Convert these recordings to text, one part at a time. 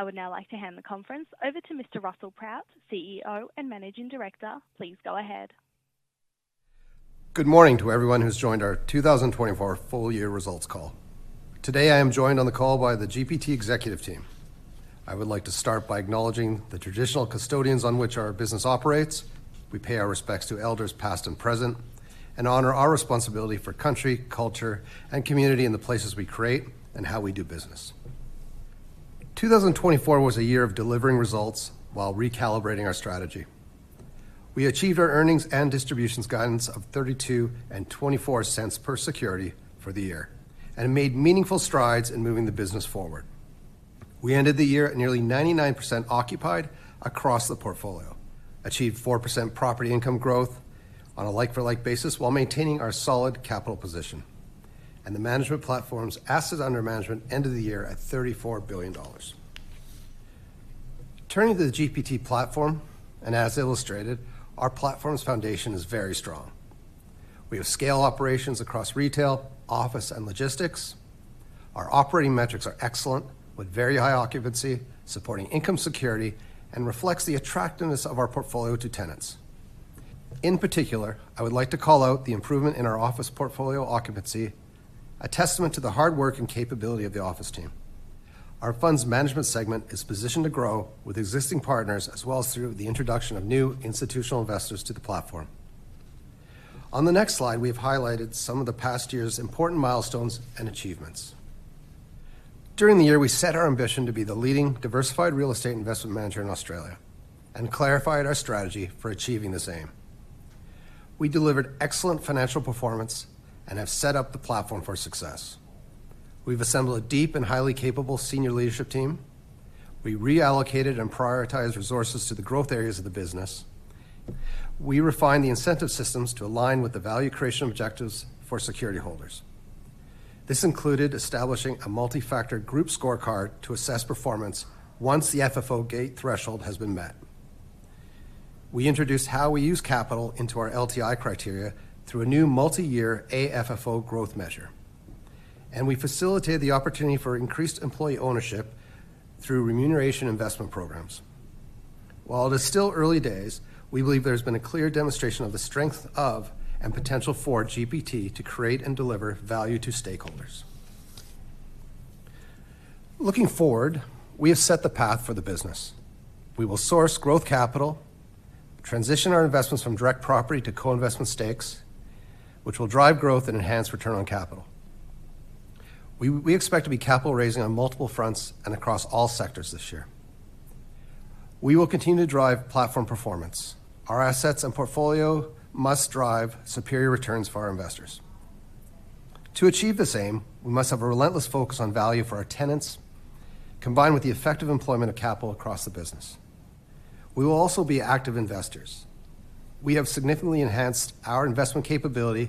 I would now like to hand the conference over to Mr. Russell Proutt, CEO and Managing Director. Please go ahead. Good morning to everyone who's joined our 2024 full-year results call. Today, I am joined on the call by the GPT Executive Team. I would like to start by acknowledging the traditional custodians on which our business operates. We pay our respects to elders past and present and honor our responsibility for country, culture, and community in the places we create and how we do business. 2024 was a year of delivering results while recalibrating our strategy. We achieved our earnings and distributions guidance of 0.32 and 0.24 per security for the year and made meaningful strides in moving the business forward. We ended the year at nearly 99% occupied across the portfolio, achieved 4% property income growth on a like-for-like basis while maintaining our solid capital position, and the management platform's assets under management ended the year at 34 billion dollars. Turning to the GPT platform, and as illustrated, our platform's foundation is very strong. We have scale operations across retail, office, and logistics. Our operating metrics are excellent, with very high occupancy, supporting income security, and reflect the attractiveness of our portfolio to tenants. In particular, I would like to call out the improvement in our office portfolio occupancy, a testament to the hard work and capability of the office team. Our funds management segment is positioned to grow with existing partners as well as through the introduction of new institutional investors to the platform. On the next slide, we have highlighted some of the past year's important milestones and achievements. During the year, we set our ambition to be the leading diversified real estate investment manager in Australia and clarified our strategy for achieving this aim. We delivered excellent financial performance and have set up the platform for success. We've assembled a deep and highly capable senior leadership team. We reallocated and prioritized resources to the growth areas of the business. We refined the incentive systems to align with the value creation objectives for security holders. This included establishing a multi-factor group scorecard to assess performance once the FFO gate threshold has been met. We introduced how we use capital into our LTI criteria through a new multi-year AFFO growth measure, and we facilitated the opportunity for increased employee ownership through remuneration investment programs. While it is still early days, we believe there has been a clear demonstration of the strength of and potential for GPT to create and deliver value to stakeholders. Looking forward, we have set the path for the business. We will source growth capital, transition our investments from direct property to co-investment stakes, which will drive growth and enhance return on capital. We expect to be capital raising on multiple fronts and across all sectors this year. We will continue to drive platform performance. Our assets and portfolio must drive superior returns for our investors. To achieve this aim, we must have a relentless focus on value for our tenants, combined with the effective employment of capital across the business. We will also be active investors. We have significantly enhanced our investment capability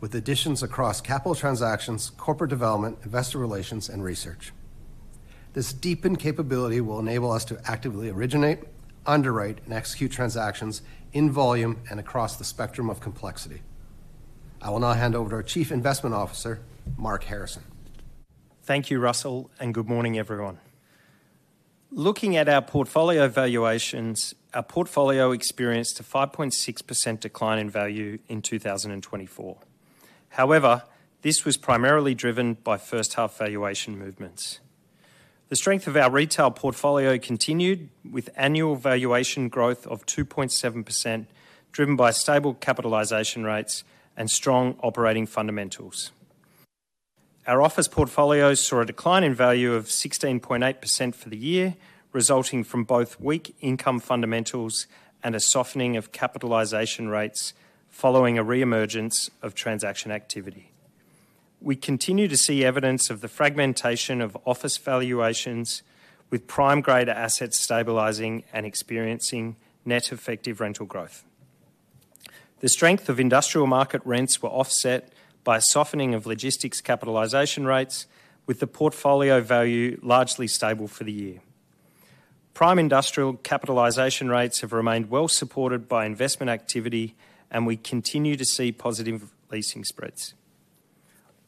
with additions across capital transactions, corporate development, investor relations, and research. This deepened capability will enable us to actively originate, underwrite, and execute transactions in volume and across the spectrum of complexity. I will now hand over to our Chief Investment Officer, Mark Harrison. Thank you, Russell, and good morning, everyone. Looking at our portfolio valuations, our portfolio experienced a 5.6% decline in value in 2024. However, this was primarily driven by first-half valuation movements. The strength of our retail portfolio continued, with annual valuation growth of 2.7%, driven by stable capitalization rates and strong operating fundamentals. Our office portfolio saw a decline in value of 16.8% for the year, resulting from both weak income fundamentals and a softening of capitalization rates following a reemergence of transaction activity. We continue to see evidence of the fragmentation of office valuations, with prime-grade assets stabilizing and experiencing net effective rental growth. The strength of industrial market rents was offset by a softening of logistics capitalization rates, with the portfolio value largely stable for the year. Prime industrial capitalization rates have remained well supported by investment activity, and we continue to see positive leasing spreads.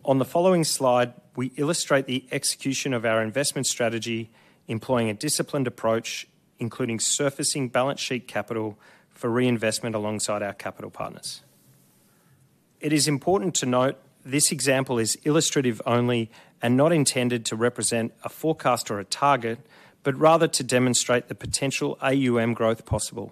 On the following slide, we illustrate the execution of our investment strategy, employing a disciplined approach, including surfacing balance sheet capital for reinvestment alongside our capital partners. It is important to note this example is illustrative only and not intended to represent a forecast or a target, but rather to demonstrate the potential AUM growth possible.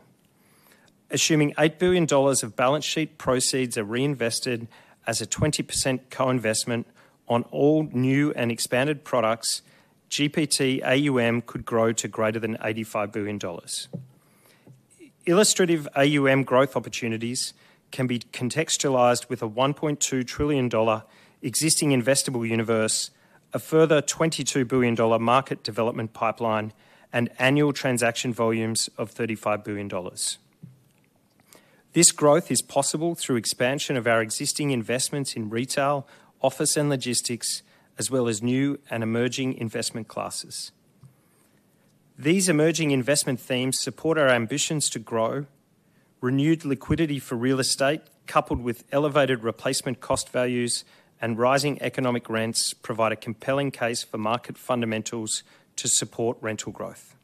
Assuming 8 billion dollars of balance sheet proceeds are reinvested as a 20% co-investment on all new and expanded products, GPT AUM could grow to greater than 85 billion dollars. Illustrative AUM growth opportunities can be contextualized with a 1.2 trillion dollar existing investable universe, a further 22 billion dollar market development pipeline, and annual transaction volumes of 35 billion dollars. This growth is possible through expansion of our existing investments in retail, office, and logistics, as well as new and emerging investment classes. These emerging investment themes support our ambitions to grow. Renewed liquidity for real estate, coupled with elevated replacement cost values and rising economic rents, provide a compelling case for market fundamentals to support rental growth.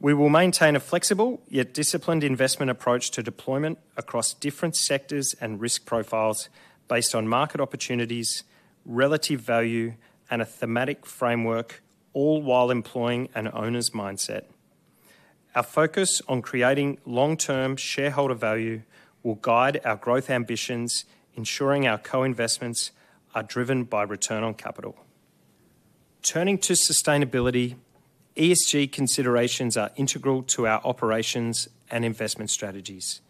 We will maintain a flexible yet disciplined investment approach to deployment across different sectors and risk profiles based on market opportunities, relative value, and a thematic framework, all while employing an owner's mindset. Our focus on creating long-term shareholder value will guide our growth ambitions, ensuring our co-investments are driven by return on capital. Turning to sustainability, ESG considerations are integral to our operations and investment strategies.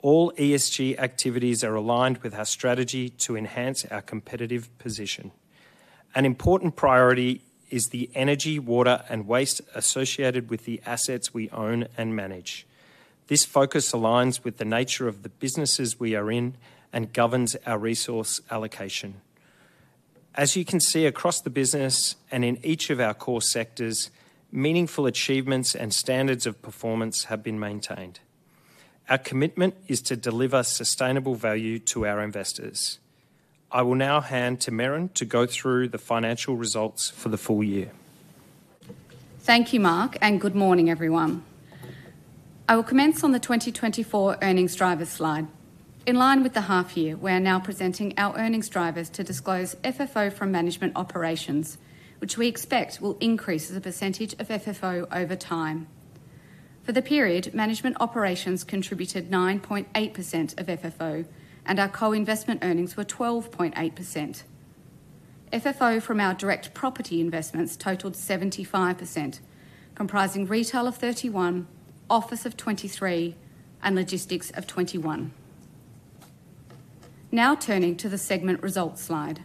All ESG activities are aligned with our strategy to enhance our competitive position. An important priority is the energy, water, and waste associated with the assets we own and manage. This focus aligns with the nature of the businesses we are in and governs our resource allocation. As you can see across the business and in each of our core sectors, meaningful achievements and standards of performance have been maintained. Our commitment is to deliver sustainable value to our investors. I will now hand to Merran to go through the financial results for the full year. Thank you, Mark, and good morning, everyone. I will commence on the 2024 earnings driver slide. In line with the half-year, we are now presenting our earnings drivers to disclose FFO from management operations, which we expect will increase as a percentage of FFO over time. For the period, management operations contributed 9.8% of FFO, and our co-investment earnings were 12.8%. FFO from our direct property investments totaled 75%, comprising retail of 31%, office of 23%, and logistics of 21%. Now turning to the segment results slide.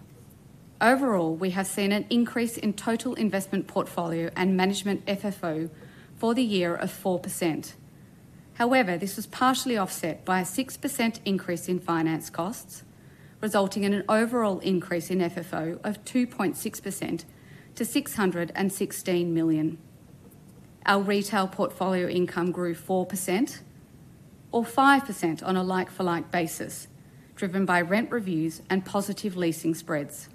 Overall, we have seen an increase in total investment portfolio and management FFO for the year of 4%. However, this was partially offset by a 6% increase in finance costs, resulting in an overall increase in FFO of 2.6% to 616 million. Our retail portfolio income grew 4% or 5% on a like-for-like basis, driven by rent reviews and positive leasing spreads.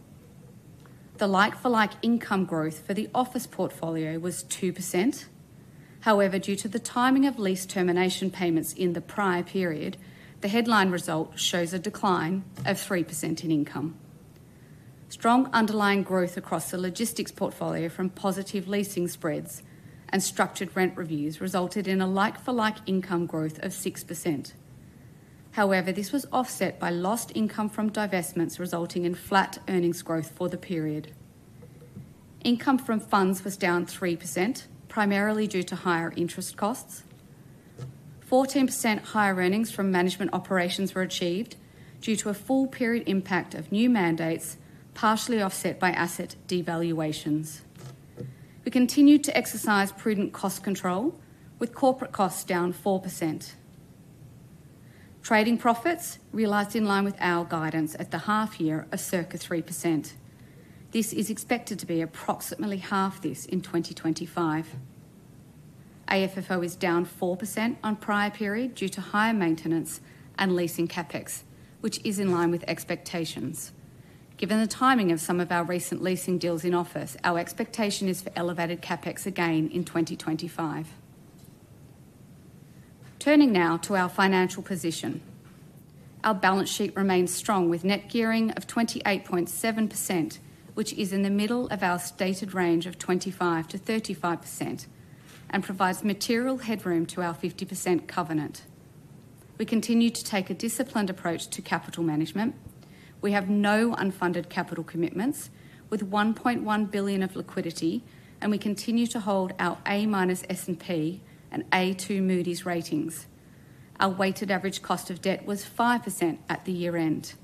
The like-for-like income growth for the office portfolio was 2%. However, due to the timing of lease termination payments in the prior period, the headline result shows a decline of 3% in income. Strong underlying growth across the logistics portfolio from positive leasing spreads and structured rent reviews resulted in a like-for-like income growth of 6%. However, this was offset by lost income from divestments, resulting in flat earnings growth for the period. Income from funds was down 3%, primarily due to higher interest costs. 14% higher earnings from management operations were achieved due to a full-period impact of new mandates, partially offset by asset devaluations. We continued to exercise prudent cost control, with corporate costs down 4%. Trading profits realized in line with our guidance at the half-year are circa 3%. This is expected to be approximately half this in 2025. AFFO is down 4% on prior period due to higher maintenance and leasing CapEx, which is in line with expectations. Given the timing of some of our recent leasing deals in office, our expectation is for elevated CapEx again in 2025. Turning now to our financial position. Our balance sheet remains strong with net gearing of 28.7%, which is in the middle of our stated range of 25%-35%, and provides material headroom to our 50% covenant. We continue to take a disciplined approach to capital management. We have no unfunded capital commitments, with 1.1 billion of liquidity, and we continue to hold our A- S&P and A2 Moody's ratings. Our weighted average cost of debt was 5% at the year-end.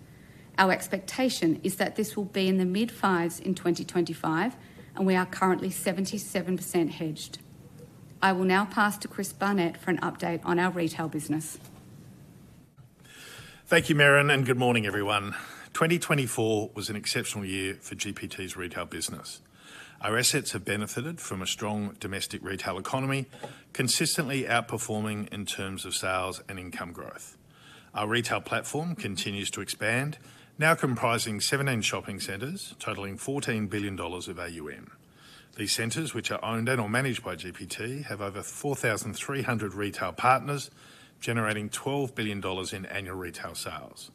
Our expectation is that this will be in the mid-fives in 2025, and we are currently 77% hedged. I will now pass to Chris Barnett for an update on our retail business. Thank you, Merran, and good morning, everyone. 2024 was an exceptional year for GPT's retail business. Our assets have benefited from a strong domestic retail economy, consistently outperforming in terms of sales and income growth. Our retail platform continues to expand, now comprising 17 shopping centers, totaling AUD 14 billion of AUM. These centers, which are owned and/or managed by GPT, have over 4,300 retail partners, generating 12 billion dollars in annual retail sales.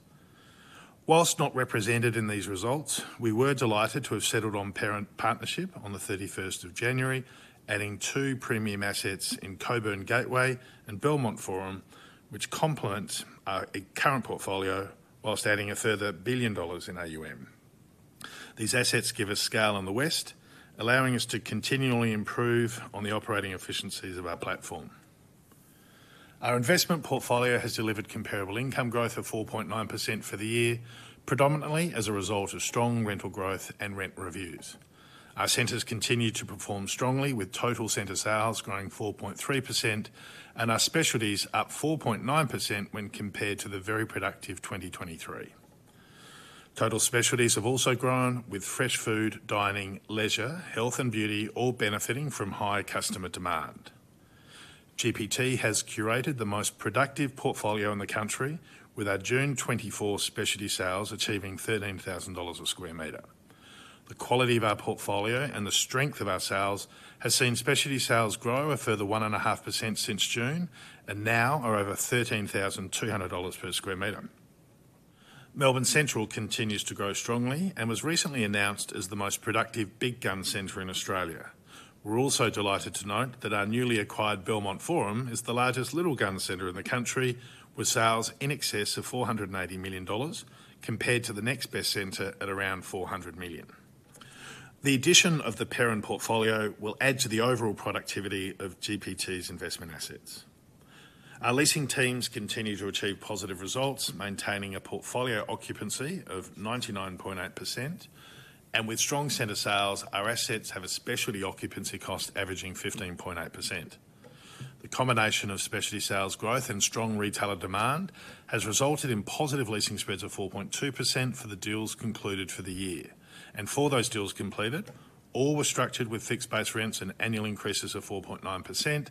While not represented in these results, we were delighted to have settled on partnership on the 31st of January, adding two premium assets in Cockburn Gateway and Belmont Forum, which complement our current portfolio while adding a further 1 billion dollars in AUM. These assets give us scale in the west, allowing us to continually improve on the operating efficiencies of our platform. Our investment portfolio has delivered comparable income growth of 4.9% for the year, predominantly as a result of strong rental growth and rent reviews. Our centers continue to perform strongly, with total center sales growing 4.3% and our specialties up 4.9% when compared to the very productive 2023. Total specialties have also grown, with fresh food, dining, leisure, health, and beauty all benefiting from high customer demand. GPT has curated the most productive portfolio in the country, with our June 24 specialty sales achieving 13,000 dollars a sq m. The quality of our portfolio and the strength of our sales has seen specialty sales grow a further 1.5% since June and now are over 13,200 dollars per sq m. Melbourne Central continues to grow strongly and was recently announced as the most productive Big Gun center in Australia. We're also delighted to note that our newly acquired Belmont Forum is the largest Little Gun center in the country, with sales in excess of 480 million dollars, compared to the next best center at around 400 million. The addition of the retail portfolio will add to the overall productivity of GPT's investment assets. Our leasing teams continue to achieve positive results, maintaining a portfolio occupancy of 99.8%, and with strong center sales, our assets have a specialty occupancy cost averaging 15.8%. The combination of specialty sales growth and strong retailer demand has resulted in positive leasing spreads of 4.2% for the deals concluded for the year, and for those deals completed, all were structured with fixed-based rents and annual increases of 4.9%,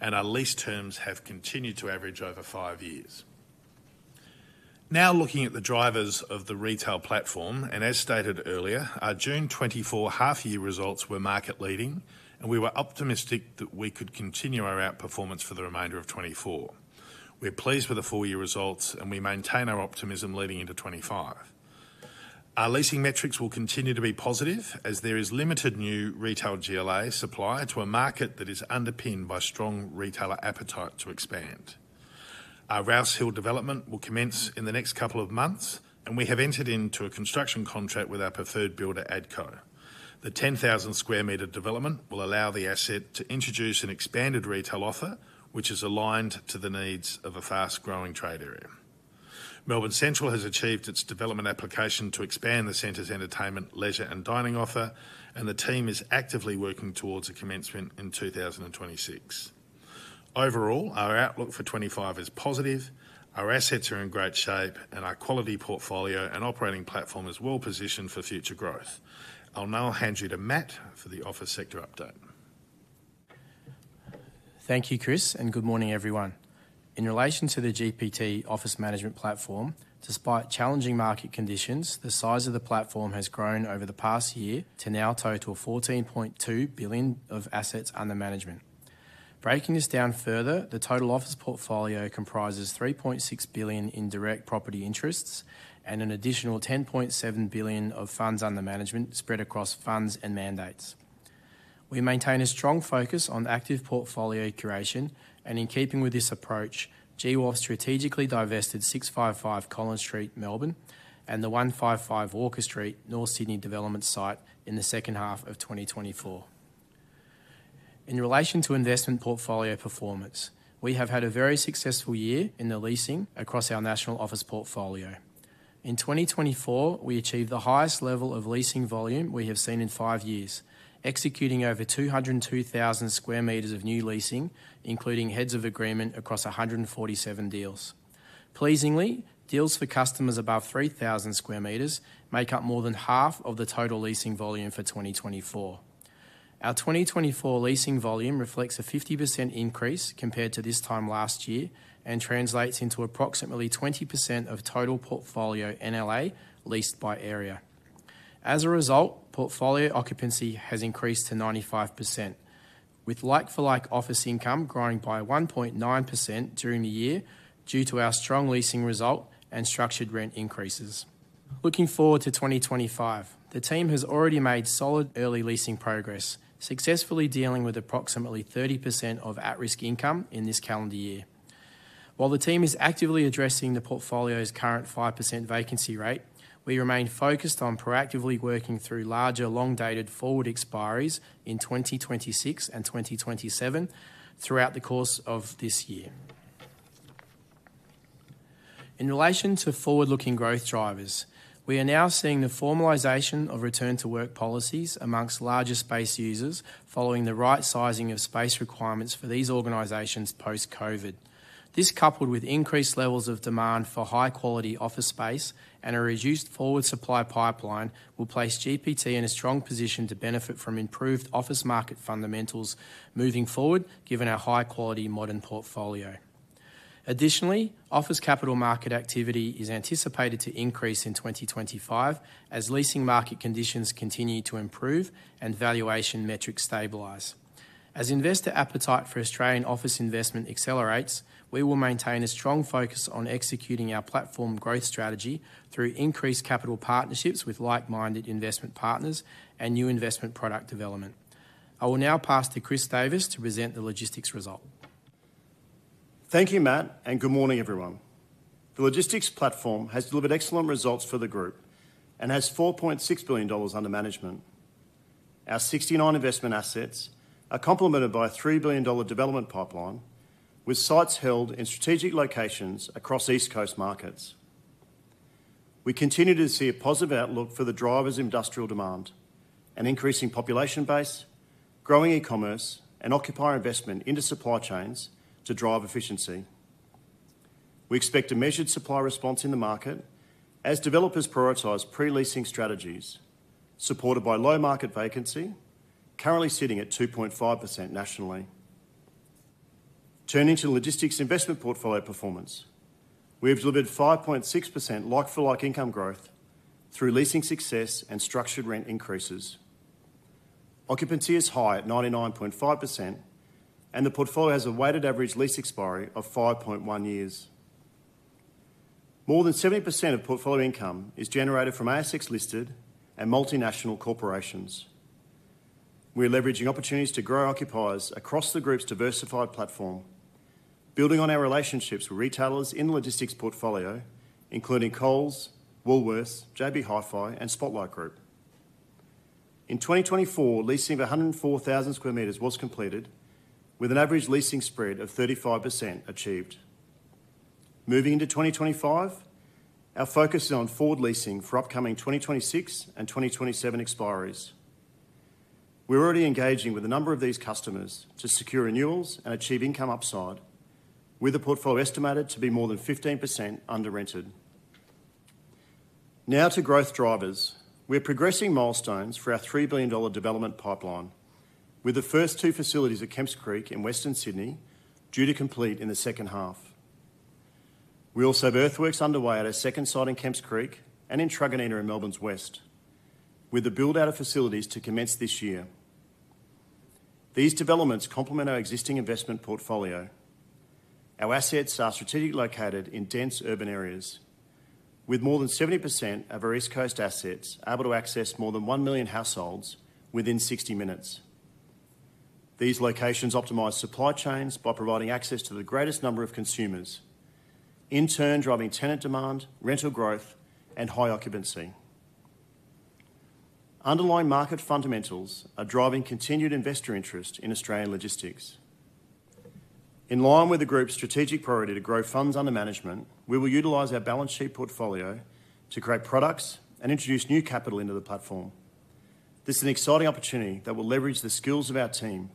and our lease terms have continued to average over five years. Now looking at the drivers of the retail platform, and as stated earlier, our June 2024 half-year results were market-leading, and we were optimistic that we could continue our outperformance for the remainder of 2024. We're pleased with the full-year results, and we maintain our optimism leading into 2025. Our leasing metrics will continue to be positive as there is limited new retail GLA supply to a market that is underpinned by strong retailer appetite to expand. Our Rouse Hill development will commence in the next couple of months, and we have entered into a construction contract with our preferred builder, ADCO. The 10,000 square meter development will allow the asset to introduce an expanded retail offer, which is aligned to the needs of a fast-growing trade area. Melbourne Central has achieved its development application to expand the center's entertainment, leisure, and dining offer, and the team is actively working towards a commencement in 2026. Overall, our outlook for 2025 is positive. Our assets are in great shape, and our quality portfolio and operating platform is well positioned for future growth. I'll now hand you to Matt for the office sector update. Thank you, Chris, and good morning, everyone. In relation to the GPT office management platform, despite challenging market conditions, the size of the platform has grown over the past year to now total 14.2 billion of assets under management. Breaking this down further, the total office portfolio comprises 3.6 billion in direct property interests and an additional 10.7 billion of funds under management spread across funds and mandates. We maintain a strong focus on active portfolio curation, and in keeping with this approach, GWOF strategically divested 655 Collins Street, Melbourne, and the 155 Walker Street, North Sydney development site in the second half of 2024. In relation to investment portfolio performance, we have had a very successful year in the leasing across our national office portfolio. In 2024, we achieved the highest level of leasing volume we have seen in five years, executing over 202,000 square meters of new leasing, including heads of agreement across 147 deals. Pleasingly, deals for customers above 3,000 square meters make up more than half of the total leasing volume for 2024. Our 2024 leasing volume reflects a 50% increase compared to this time last year and translates into approximately 20% of total portfolio NLA leased by area. As a result, portfolio occupancy has increased to 95%, with like-for-like office income growing by 1.9% during the year due to our strong leasing result and structured rent increases. Looking forward to 2025, the team has already made solid early leasing progress, successfully dealing with approximately 30% of at-risk income in this calendar year. While the team is actively addressing the portfolio's current 5% vacancy rate, we remain focused on proactively working through larger long-dated forward expiries in 2026 and 2027 throughout the course of this year. In relation to forward-looking growth drivers, we are now seeing the formalization of return-to-work policies among larger space users following the right sizing of space requirements for these organizations post-COVID. This, coupled with increased levels of demand for high-quality office space and a reduced forward supply pipeline, will place GPT in a strong position to benefit from improved office market fundamentals moving forward, given our high-quality modern portfolio. Additionally, office capital market activity is anticipated to increase in 2025 as leasing market conditions continue to improve and valuation metrics stabilize. As investor appetite for Australian office investment accelerates, we will maintain a strong focus on executing our platform growth strategy through increased capital partnerships with like-minded investment partners and new investment product development. I will now pass to Chris Davis to present the logistics result. Thank you, Matt, and good morning, everyone. The logistics platform has delivered excellent results for the group and has 4.6 billion dollars under management. Our 69 investment assets are complemented by a 3 billion dollar development pipeline, with sites held in strategic locations across East Coast markets. We continue to see a positive outlook for the drivers of industrial demand, an increasing population base, growing e-commerce, and ongoing investment into supply chains to drive efficiency. We expect a measured supply response in the market as developers prioritize pre-leasing strategies supported by low market vacancy, currently sitting at 2.5% nationally. Turning to logistics investment portfolio performance, we have delivered 5.6% like-for-like income growth through leasing success and structured rent increases. Occupancy is high at 99.5%, and the portfolio has a weighted average lease expiry of 5.1 years. More than 70% of portfolio income is generated from assets leased to multinational corporations. We are leveraging opportunities to grow occupiers across the group's diversified platform, building on our relationships with retailers in the logistics portfolio, including Coles, Woolworths, JB Hi-Fi, and Spotlight Group. In 2024, leasing of 104,000 square meters was completed, with an average leasing spread of 35% achieved. Moving into 2025, our focus is on forward leasing for upcoming 2026 and 2027 expiries. We're already engaging with a number of these customers to secure renewals and achieve income upside, with the portfolio estimated to be more than 15% under-rented. Now to growth drivers. We're progressing milestones for our 3 billion dollar development pipeline, with the first two facilities at Kemps Creek in Western Sydney due to complete in the second half. We also have earthworks underway at a second site in Kemps Creek and in Truganina in Melbourne's West, with the build-out of facilities to commence this year. These developments complement our existing investment portfolio. Our assets are strategically located in dense urban areas, with more than 70% of our East Coast assets able to access more than one million households within 60 minutes. These locations optimize supply chains by providing access to the greatest number of consumers, in turn driving tenant demand, rental growth, and high occupancy. Underlying market fundamentals are driving continued investor interest in Australian logistics. In line with the group's strategic priority to grow funds under management, we will utilize our balance sheet portfolio to create products and introduce new capital into the platform. This is an exciting opportunity that will leverage the skills of our team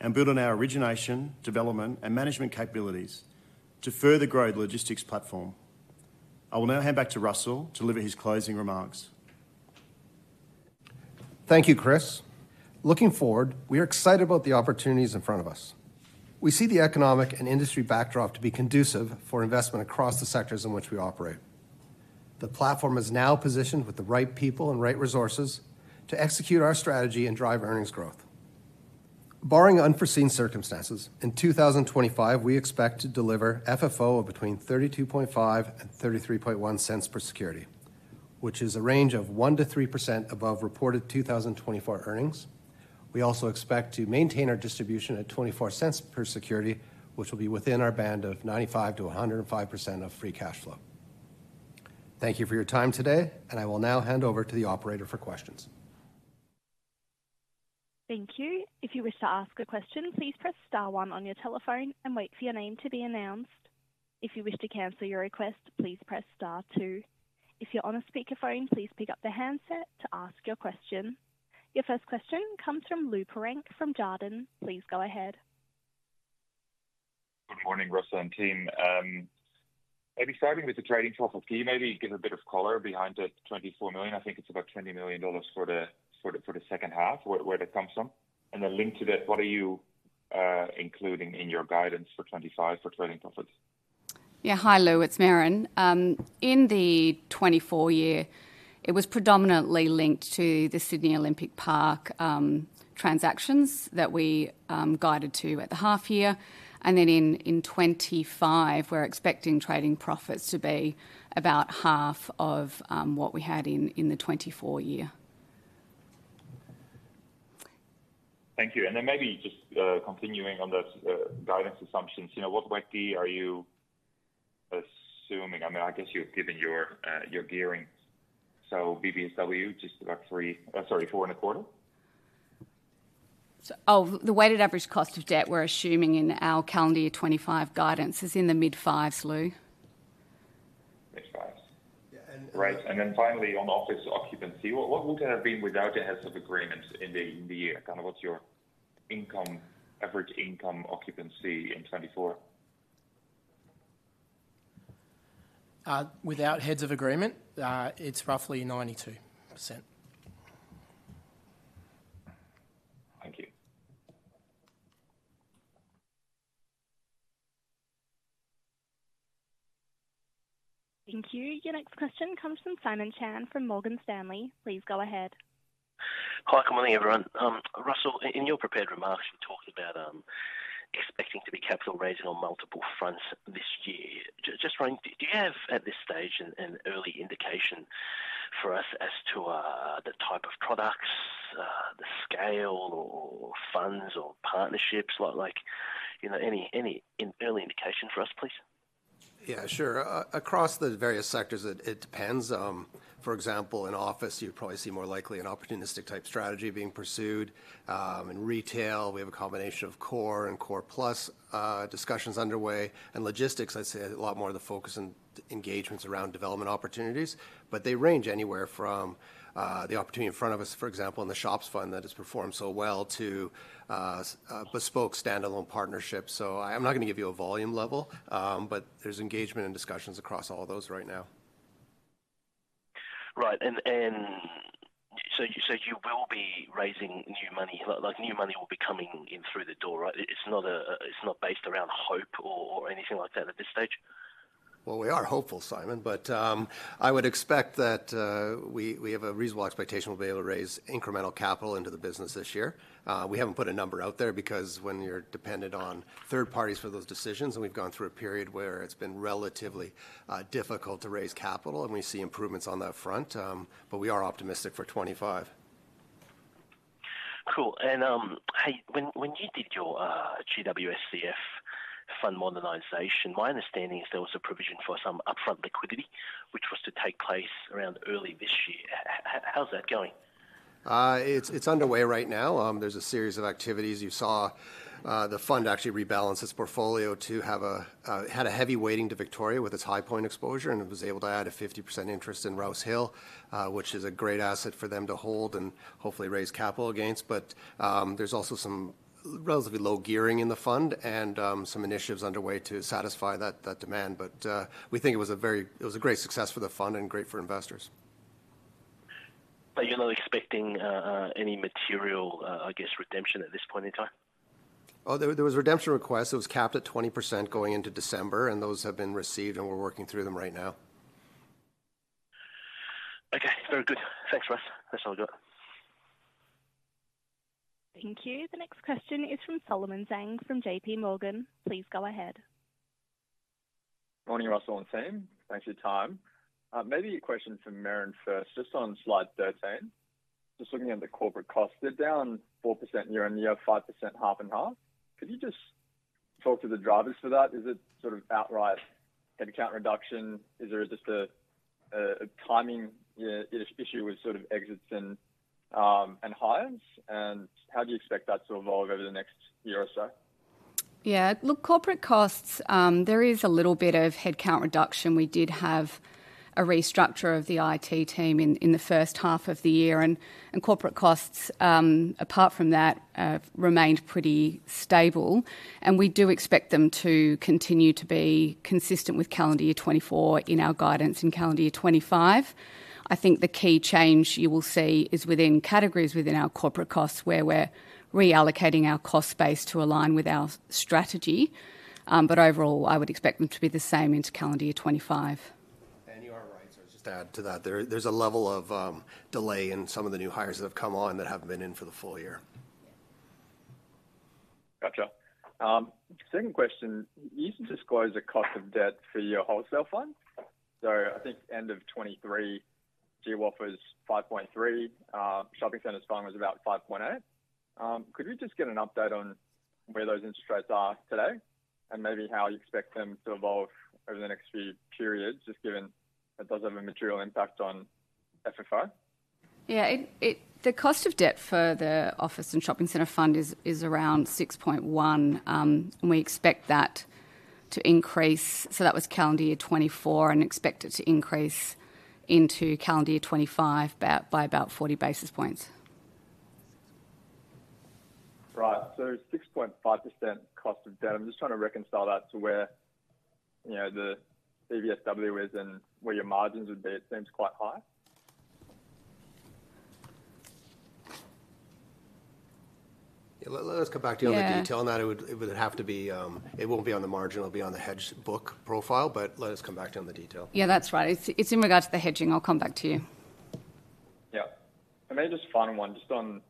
and build on our origination, development, and management capabilities to further grow the logistics platform. I will now hand back to Russell to deliver his closing remarks. Thank you, Chris. Looking forward, we are excited about the opportunities in front of us. We see the economic and industry backdrop to be conducive for investment across the sectors in which we operate. The platform is now positioned with the right people and right resources to execute our strategy and drive earnings growth. Barring unforeseen circumstances, in 2025, we expect to deliver FFO of between 0.325 and 0.331 per security, which is a range of 1%-3% above reported 2024 earnings. We also expect to maintain our distribution at 0.24 per security, which will be within our band of 95%-105% of free cash flow. Thank you for your time today, and I will now hand over to the Operator for questions. Thank you. If you wish to ask a question, please press Star 1 on your telephone and wait for your name to be announced. If you wish to cancel your request, please press Star 2. If you're on a speakerphone, please pick up the handset to ask your question. Your first question comes from Lou Pirenc from Jarden. Please go ahead. Good morning, Russell and team. Maybe starting with the trading profit scheme, maybe give a bit of color behind the $24 million. I think it's about $20 million for the second half, where that comes from, and then link to that, what are you including in your guidance for 2025 for trading profits? Yeah, hi Lou, it's Merran. In the 2024 year, it was predominantly linked to the Sydney Olympic Park transactions that we guided to at the half year. And then in 2025, we're expecting trading profits to be about half of what we had in the 2024 year. Thank you. And then maybe just continuing on those guidance assumptions, what WALE are you assuming? I mean, I guess you've given your gearing. So BBSW, just about three, sorry, four and a quarter? Oh, the weighted average cost of debt we're assuming in our calendar year 2025 guidance is in the mid-fives, Lou. Mid-fives. Right. And then finally, on office occupancy, what would that have been without the Heads of Agreement in the year? Kind of, what's your average income occupancy in 2024? Without Heads of Agreement, it's roughly 92%. Thank you. Thank you. Your next question comes from Simon Chan from Morgan Stanley. Please go ahead. Hi, good morning, everyone. Russell, in your prepared remarks, you talked about expecting to be capital raising on multiple fronts this year. Just wondering, do you have at this stage an early indication for us as to the type of products, the scale, or funds, or partnerships? Any early indication for us, please? Yeah, sure. Across the various sectors, it depends. For example, in office, you'd probably see more likely an opportunistic type strategy being pursued. In retail, we have a combination of core and core plus discussions underway. In logistics, I'd say a lot more of the focus and engagements around development opportunities. But they range anywhere from the opportunity in front of us, for example, in the shops fund that has performed so well, to bespoke standalone partnerships. So I'm not going to give you a volume level, but there's engagement and discussions across all of those right now. Right. And so you will be raising new money. New money will be coming in through the door, right? It's not based around hope or anything like that at this stage? We are hopeful, Simon, but I would expect that we have a reasonable expectation we'll be able to raise incremental capital into the business this year. We haven't put a number out there because when you're dependent on third parties for those decisions, and we've gone through a period where it's been relatively difficult to raise capital, and we see improvements on that front, but we are optimistic for 2025. Cool. And when you did your GWSCF fund modernization, my understanding is there was a provision for some upfront liquidity, which was to take place around early this year. How's that going? It's underway right now. There's a series of activities. You saw the fund actually rebalance its portfolio to have a heavy weighting to Victoria with its Highpoint exposure, and it was able to add a 50% interest in Rouse Hill, which is a great asset for them to hold and hopefully raise capital gains. But there's also some relatively low gearing in the fund and some initiatives underway to satisfy that demand. But we think it was a great success for the fund and great for investors. Are you not expecting any material, I guess, redemption at this point in time? Oh, there was redemption requests. It was capped at 20% going into December, and those have been received, and we're working through them right now. Okay. Very good. Thanks, Russ. That's all good. Thank you. The next question is from Solomon Zhang from JPMorgan. Please go ahead. Morning, Russell and team. Thanks for your time. Maybe a question for Merran first. Just on slide 13, just looking at the corporate costs, they're down 4% year on year, 5% half and half. Could you just talk to the drivers for that? Is it sort of outright headcount reduction? Is there just a timing issue with sort of exits and hires? And how do you expect that to evolve over the next year or so? Yeah. Look, corporate costs, there is a little bit of headcount reduction. We did have a restructure of the IT team in the first half of the year. And corporate costs, apart from that, remained pretty stable. And we do expect them to continue to be consistent with calendar year 2024 in our guidance in calendar year 2025. I think the key change you will see is within categories within our corporate costs where we're reallocating our cost base to align with our strategy. But overall, I would expect them to be the same into calendar year 2025. You are right, so I just add to that. There's a level of delay in some of the new hires that have come on that haven't been in for the full year. Gotcha. Second question. You disclosed a cost of debt for your wholesale fund. So I think end of 2023, GWOF was 5.3, Shopping Center's fund was about 5.8. Could we just get an update on where those interest rates are today and maybe how you expect them to evolve over the next few periods, just given that those have a material impact on FFO? Yeah. The cost of debt for the office and shopping center fund is around 6.1, and we expect that to increase. So that was calendar year 2024 and expect it to increase into calendar year 2025 by about 40 basis points. Right. So 6.5% cost of debt. I'm just trying to reconcile that to where the BBSW is and where your margins would be. It seems quite high. Yeah. Let us come back to you on the detail on that. It would have to be it won't be on the margin. It'll be on the hedge book profile, but let us come back to you on the detail. Yeah, that's right. It's in regards to the hedging. I'll come back to you. Yeah. And maybe just final one, just on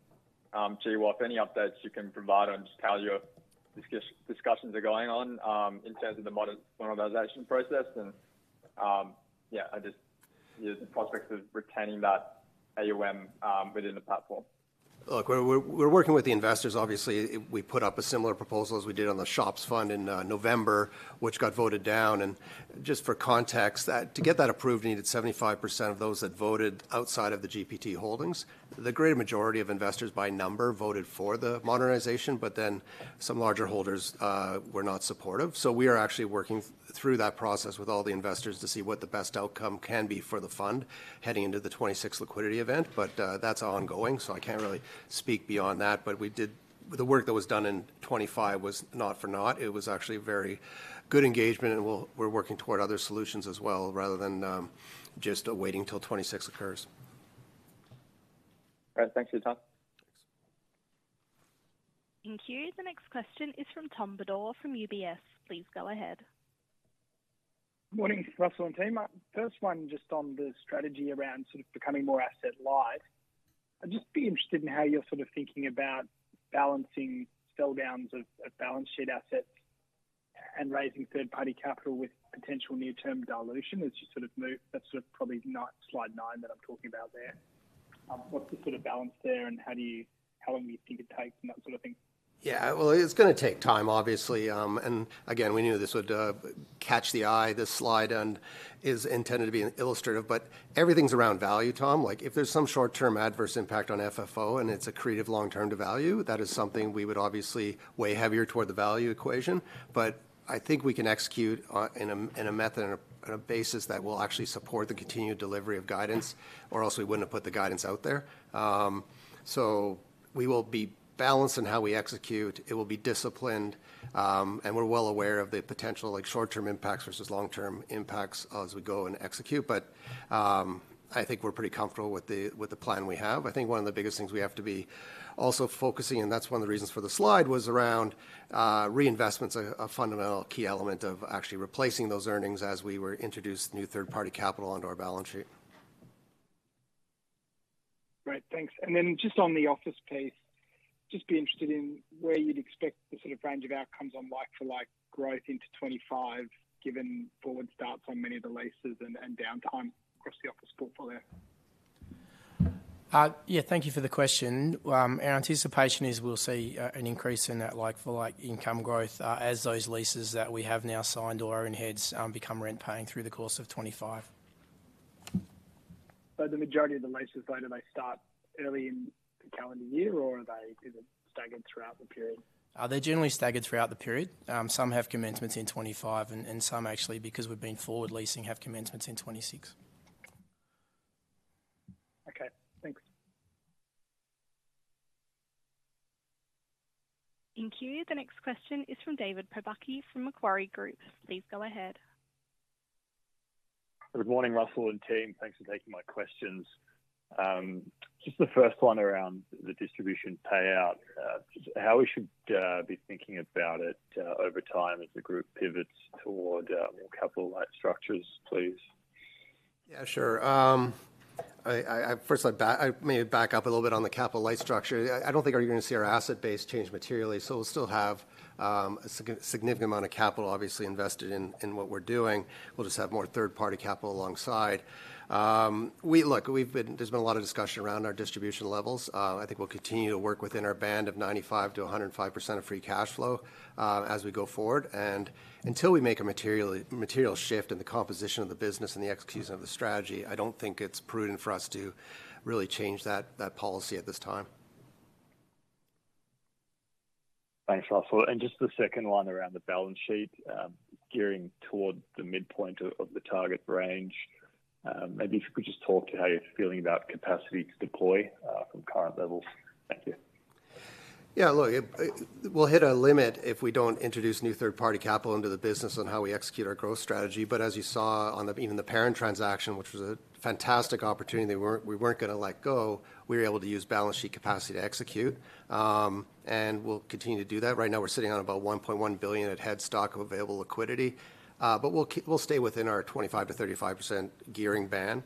GWOF, any updates you can provide on just how your discussions are going on in terms of the modernization process and, yeah, just the prospects of retaining that AOM within the platform. Look, we're working with the investors. Obviously, we put up a similar proposal as we did on the shops fund in November, which got voted down. And just for context, to get that approved, we needed 75% of those that voted outside of the GPT holdings. The greater majority of investors by number voted for the modernization, but then some larger holders were not supportive. So we are actually working through that process with all the investors to see what the best outcome can be for the fund heading into the 2026 liquidity event. But that's ongoing, so I can't really speak beyond that. But the work that was done in 2025 was not for naught. It was actually very good engagement, and we're working toward other solutions as well rather than just waiting till 2026 occurs. All right. Thanks for your time. Thank you. And the next question. It's from Tom Bodor from UBS. Please go ahead. Good morning, Russell and team. First one, just on the strategy around sort of becoming more asset-light. I'd just be interested in how you're sort of thinking about balancing spending bounds of balance sheet assets and raising third-party capital with potential near-term dilution as you sort of move. That's sort of probably slide nine that I'm talking about there. What's the sort of balance there, and how long do you think it takes and that sort of thing? Yeah. Well, it's going to take time, obviously. And again, we knew this would catch the eye. This slide is intended to be illustrative, but everything's around value, Tom. If there's some short-term adverse impact on FFO and it's accretive long-term to value, that is something we would obviously weigh heavier toward the value equation. But I think we can execute in a method and a basis that will actually support the continued delivery of guidance, or else we wouldn't have put the guidance out there. So we will be balanced in how we execute. It will be disciplined, and we're well aware of the potential short-term impacts versus long-term impacts as we go and execute. But I think we're pretty comfortable with the plan we have. I think one of the biggest things we have to be also focusing, and that's one of the reasons for the slide, was around reinvestments, a fundamental key element of actually replacing those earnings as we were introducing new third-party capital onto our balance sheet. Great. Thanks. And then just on the office piece, just be interested in where you'd expect the sort of range of outcomes on like-for-like growth into 2025, given forward starts on many of the leases and downtime across the office portfolio? Yeah. Thank you for the question. Our anticipation is we'll see an increase in that like-for-like income growth as those leases that we have now signed or are in heads become rent-paying through the course of 2025. So the majority of the leases, though, do they start early in the calendar year, or are they staggered throughout the period? They're generally staggered throughout the period. Some have commencements in 2025, and some, actually, because we've been forward leasing, have commencements in 2026. Okay. Thanks. In Q, the next question is from David Pobucky from Macquarie Group. Please go ahead. Good morning, Russell and team. Thanks for taking my questions. Just the first one around the distribution payout, how we should be thinking about it over time as the group pivots toward more capital-light structures, please? Yeah, sure. First, I may back up a little bit on the capital-light structure. I don't think you're going to see our asset base change materially. So we'll still have a significant amount of capital, obviously, invested in what we're doing. We'll just have more third-party capital alongside. Look, there's been a lot of discussion around our distribution levels. I think we'll continue to work within our band of 95%-105% of free cash flow as we go forward. And until we make a material shift in the composition of the business and the execution of the strategy, I don't think it's prudent for us to really change that policy at this time. Thanks, Russell. And just the second one around the balance sheet, gearing toward the midpoint of the target range. Maybe if you could just talk to how you're feeling about capacity to deploy from current levels. Thank you. Yeah. Look, we'll hit a limit if we don't introduce new third-party capital into the business and how we execute our growth strategy. But as you saw on even the parent transaction, which was a fantastic opportunity, we weren't going to let go. We were able to use balance sheet capacity to execute, and we'll continue to do that. Right now, we're sitting on about 1.1 billion at headroom of available liquidity. But we'll stay within our 25%-35% gearing band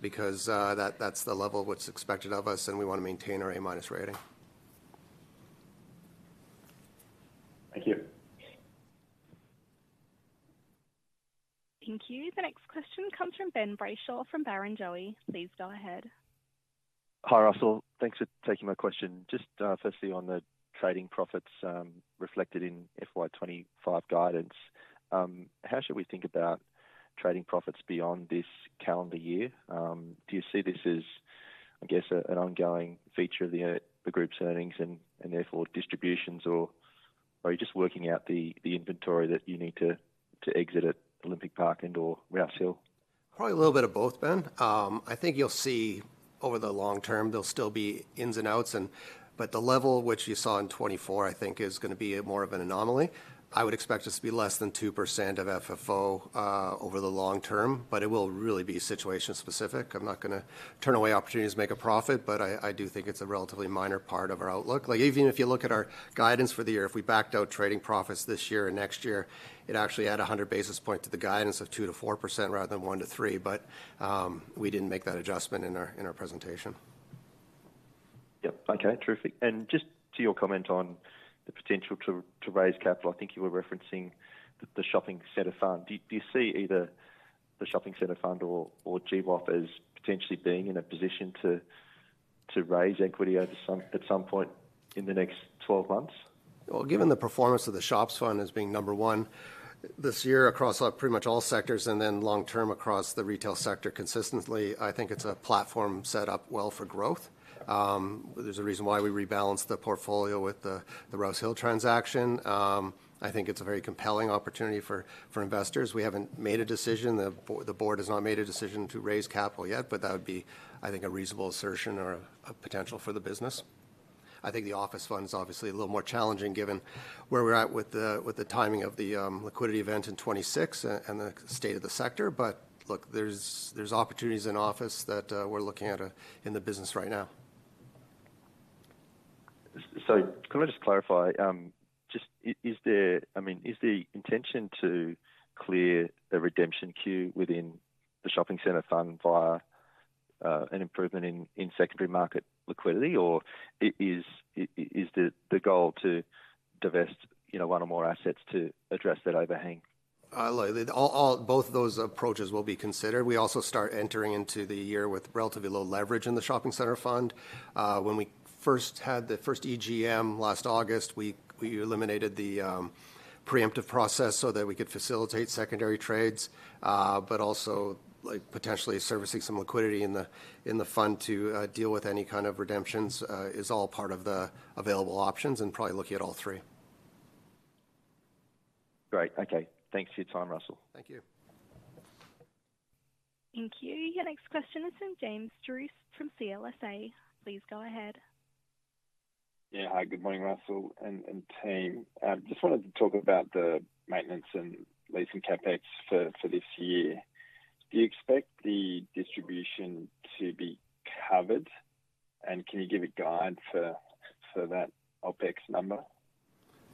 because that's the level of what's expected of us, and we want to maintain our A-rating. Thank you. Thank you. The next question comes from Ben Brayshaw from Barrenjoey. Please go ahead. Hi, Russell. Thanks for taking my question. Just firstly on the trading profits reflected in FY25 guidance, how should we think about trading profits beyond this calendar year? Do you see this as, I guess, an ongoing feature of the group's earnings and therefore distributions, or are you just working out the inventory that you need to exit at Olympic Park and/or Rouse Hill? Probably a little bit of both, Ben. I think you'll see over the long term, there'll still be ins and outs. But the level which you saw in 2024, I think, is going to be more of an anomaly. I would expect us to be less than 2% of FFO over the long term, but it will really be situation-specific. I'm not going to turn away opportunities to make a profit, but I do think it's a relatively minor part of our outlook. Even if you look at our guidance for the year, if we backed out trading profits this year and next year, it actually added 100 basis points to the guidance of 2-4% rather than 1-3%, but we didn't make that adjustment in our presentation. Yep. Okay. Terrific. And just to your comment on the potential to raise capital, I think you were referencing the shopping center fund. Do you see either the shopping center fund or GWOF as potentially being in a position to raise equity at some point in the next 12 months? Given the performance of the shops fund as being number one this year across pretty much all sectors and then long term across the retail sector consistently, I think it's a platform set up well for growth. There's a reason why we rebalanced the portfolio with the Rouse Hill transaction. I think it's a very compelling opportunity for investors. We haven't made a decision. The board has not made a decision to raise capital yet, but that would be, I think, a reasonable assertion or a potential for the business. I think the office fund is obviously a little more challenging given where we're at with the timing of the liquidity event in 2026 and the state of the sector. But look, there's opportunities in office that we're looking at in the business right now. So can I just clarify? I mean, is the intention to clear a redemption queue within the shopping center fund via an improvement in secondary market liquidity, or is the goal to divest one or more assets to address that overhang? Both of those approaches will be considered. We also start entering into the year with relatively low leverage in the shopping center fund. When we first had the first EGM last August, we eliminated the preemptive process so that we could facilitate secondary trades, but also potentially servicing some liquidity in the fund to deal with any kind of redemptions is all part of the available options and probably looking at all three. Great. Okay. Thanks for your time, Russell. Thank you. Thank you. Your next question is from James Druce from CLSA. Please go ahead. Yeah. Hi, good morning, Russell and team. I just wanted to talk about the maintenance and leasing CapEx for this year. Do you expect the distribution to be covered, and can you give a guide for that OpEx number?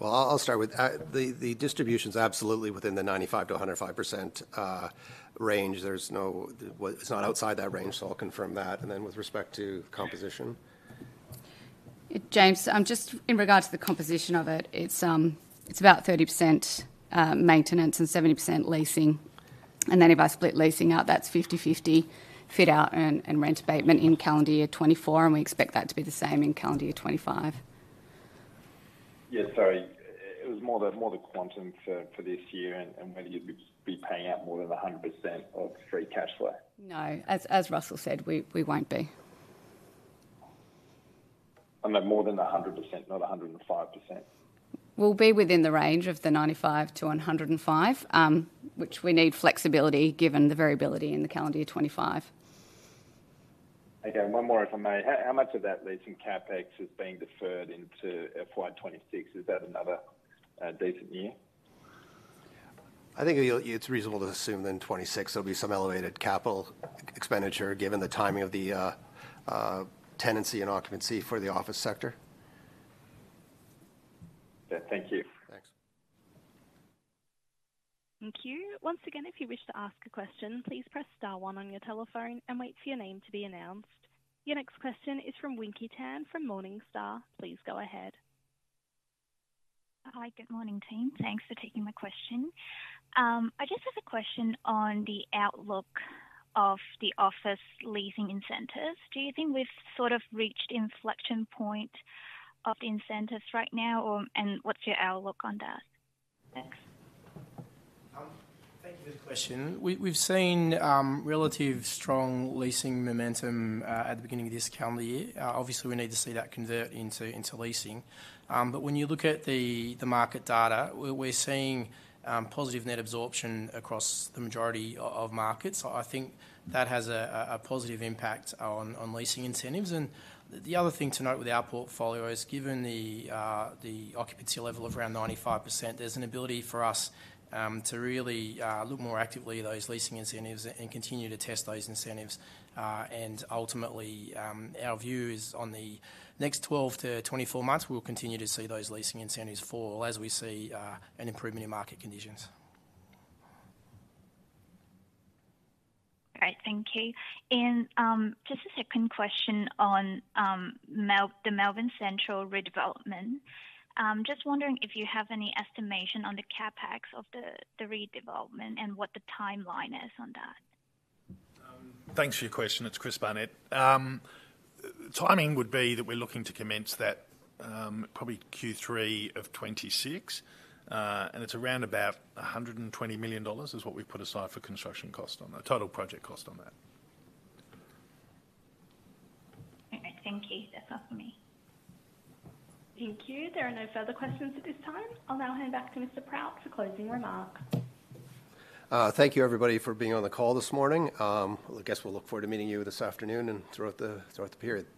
I'll start with the distribution's absolutely within the 95%-105% range. It's not outside that range, so I'll confirm that. Then with respect to composition. James, just in regards to the composition of it, it's about 30% maintenance and 70% leasing. And then if I split leasing out, that's 50/50 fit-out and rent abatement in calendar year 2024, and we expect that to be the same in calendar year 2025. Yeah. Sorry. It was more the quantum for this year and whether you'd be paying out more than 100% of free cash flow. No. As Russell said, we won't be. I meant more than 100%, not 105%. We'll be within the range of the 95-105, which we need flexibility given the variability in the calendar year 2025. Okay. One more, if I may. How much of that leasing CapEx is being deferred into FY26? Is that another decent year? I think it's reasonable to assume then 2026 there'll be some elevated capital expenditure given the timing of the tenancy and occupancy for the office sector. Yeah. Thank you. Thanks. Thank you. Once again, if you wish to ask a question, please press star one on your telephone and wait for your name to be announced. Your next question is from Winky Tan from Morningstar. Please go ahead. Hi. Good morning, team. Thanks for taking my question. I just have a question on the outlook of the office leasing incentives. Do you think we've sort of reached inflection point of the incentives right now, and what's your outlook on that? Thank you for the question. We've seen relatively strong leasing momentum at the beginning of this calendar year. Obviously, we need to see that convert into leasing. But when you look at the market data, we're seeing positive net absorption across the majority of markets. I think that has a positive impact on leasing incentives. And the other thing to note with our portfolio is, given the occupancy level of around 95%, there's an ability for us to really look more actively at those leasing incentives and continue to test those incentives. And ultimately, our view is over the next 12-24 months, we'll continue to see those leasing incentives fall as we see an improvement in market conditions. Great. Thank you. And just a second question on the Melbourne Central redevelopment. Just wondering if you have any estimation on the CapEx of the redevelopment and what the timeline is on that. Thanks for your question. It's Chris Barnett. Timing would be that we're looking to commence that probably Q3 of 2026, and it's around about 120 million dollars is what we've put aside for construction cost on that, total project cost on that. Okay. Thank you. That's all from me. Thank you. There are no further questions at this time. I'll now hand back to Mr. Proutt for closing remarks. Thank you, everybody, for being on the call this morning. I guess we'll look forward to meeting you this afternoon and throughout the period.